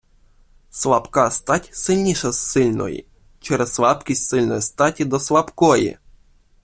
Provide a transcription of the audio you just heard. Слабка стать сильніша сильної, через слабкість сильної статі до слабкої!